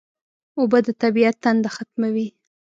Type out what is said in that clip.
اوبه د طبیعت تنده ختموي